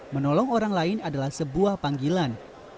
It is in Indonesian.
menolong orang lain adalah sebuah panggilan